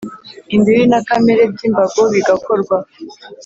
imbibi na kamere by imbago bigakorwa